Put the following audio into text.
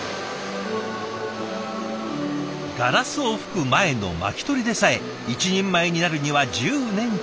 ガラスを吹く前の巻き取りでさえ一人前になるには１０年かかる。